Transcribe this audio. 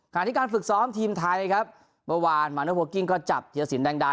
ที่การฝึกซ้อมทีมไทยครับเมื่อวานมาโนโพลกิ้งก็จับเทียรสินแดงดา